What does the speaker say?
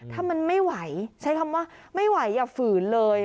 ถ้ามันไม่ไหวใช้คำว่าไม่ไหวอย่าฝืนเลย